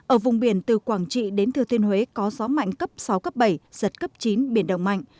ở vùng biển từ quảng trị đến thừa thiên huế có gió mạnh cấp sáu cấp bảy giật cấp chín biển động mạnh